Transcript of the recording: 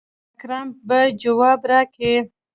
اکرم به جواب راکي.